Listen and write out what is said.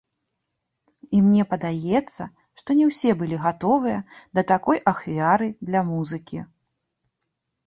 І мне падаецца, што не ўсе былі гатовыя да такой ахвяры для музыкі.